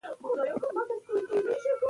جواهرات د افغانستان د سیلګرۍ برخه ده.